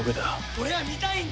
俺は見たいんだ。